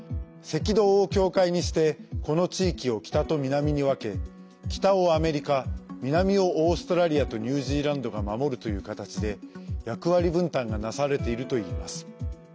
赤道を境界にしてこの地域を北と南に分け北をアメリカ南をオーストラリアとニュージーランドが守るという形で役割分担が成されているといいます。